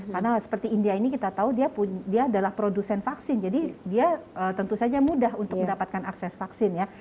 karena seperti india ini kita tahu dia adalah produsen vaksin jadi dia tentu saja mudah untuk mendapatkan akses vaksin ya